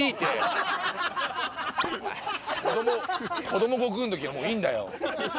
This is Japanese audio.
子供悟空のときはもういいんだよ。